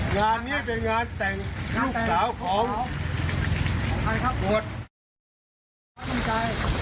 งานนี้เป็นงานแต่งลูกสาวของใครครับบวชใจ